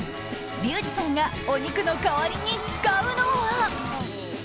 リュウジさんがお肉の代わりに使うのは。